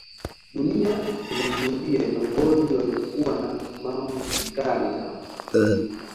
Dunia imeshuhudia viongozi waliokuwa na misimamo mikali na ukatili